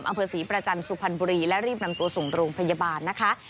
อำเภอศรีประจันทร์สุพรรณบุรีและรีบนำตัวส่งโรงพยาบาลนะคะ